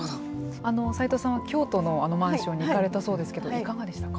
齊藤さんは京都のあのマンションに行かれたそうですけどいかがでしたか。